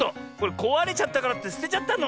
こわれちゃったからってすてちゃったの？